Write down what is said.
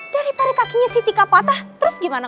dari pari kakinya si tika patah terus gimana